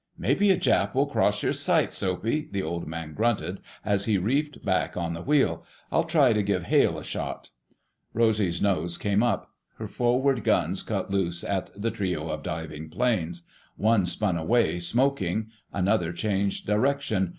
"Maybe a Jap will cross your sights, Soapy!" the Old Man grunted, as he reefed back on the wheel. "I'll try to give Hale a shot." Rosy's nose came up. Her forward guns cut loose at the trio of diving planes. One spun away, smoking; another changed direction.